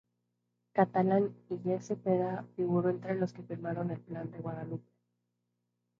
Catalán y E. Zepeda, figuró entre los que firmaron el Plan de Guadalupe.